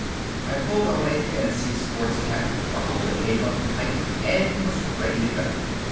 I pulled on a fancy sports cap, buckled the cape up tight, and was ready to go.